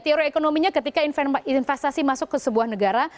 teori ekonominya ketika investasi masuk ke sebuah negara